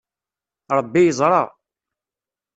Ṛebbi yeẓṛa.